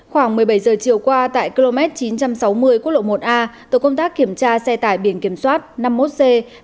khoảng một mươi bảy giờ chiều qua tại km chín trăm sáu mươi quốc lộ một a tổ công tác kiểm tra xe tải biển kiểm soát năm mươi một c hai mươi năm nghìn sáu trăm sáu mươi